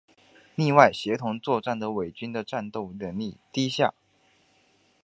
另外协同作战的伪军的战斗能力低下。